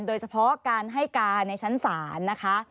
โดยเฉพาะการให้การในชั้นศาลนะคะ